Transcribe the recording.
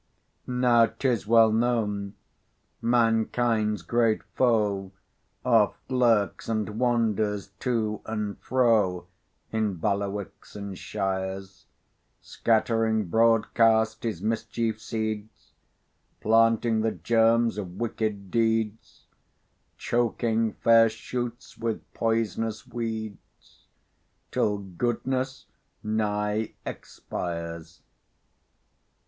Now 'tis well known mankind's great foe Oft lurks and wanders to and fro, In bailiwicks and shires; Scattering broad cast his mischief seeds, Planting the germs of wicked deeds, Choking fair shoots with poisonous weeds, Till goodness nigh expires.